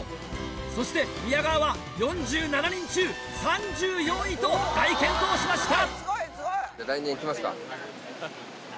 そして宮川は４７人中３４位と大健闘しました！